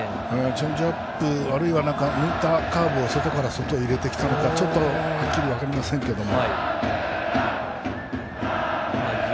チェンジアップあるいは浮いたカーブを外から外へ入れてきたのかはっきり分かりませんけれども。